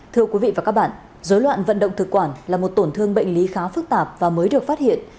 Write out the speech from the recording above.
thưa quý vị và các bạn dối loạn vận động thực quản là một tổn thương bệnh lý khá phức tạp và mới được phát hiện